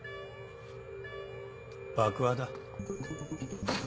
爆破だ。